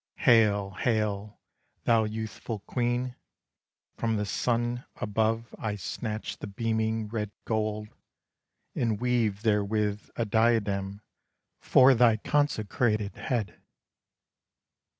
Hail! hail! thou youthful queen! From the sun above I snatch the beaming red gold, And weave therewith a diadem For thy consecrated head.